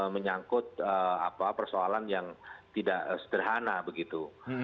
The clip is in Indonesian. menyangkut persoalan yang tidak sederhana begitu